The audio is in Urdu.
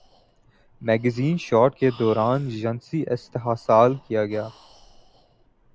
میگزین شوٹ کے دوران جنسی استحصال کیا گیا